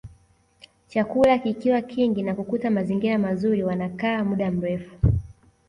Chakula kikiwa kingi na kukuta mazingira mazuri wanakaa muda mrefu